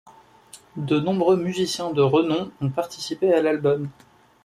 De nombreux musiciens de renom ont participé à l'album.